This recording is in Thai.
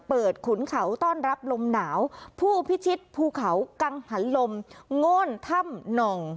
ขุนเขาต้อนรับลมหนาวผู้พิชิตภูเขากังหันลมโง่นถ้ำหน่อง